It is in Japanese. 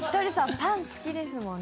パン好きですもんね。